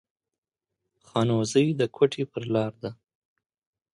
خانوزۍ د کوټي پر لار ده